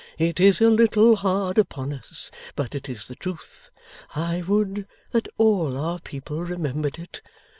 It is a little hard upon us, but it is the truth. I would that all our people remembered it!